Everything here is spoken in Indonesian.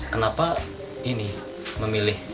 kenapa ini memilih